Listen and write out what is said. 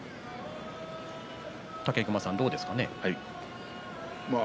武隈さん、どうですかね。